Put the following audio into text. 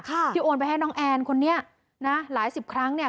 ที่โอนไปให้น้องแอนคนนี้นะหลายสิบครั้งเนี่ย